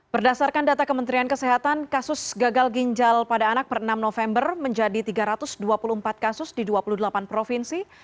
berdasarkan data kementerian kesehatan kasus gagal ginjal pada anak per enam november menjadi tiga ratus dua puluh empat kasus di dua puluh delapan provinsi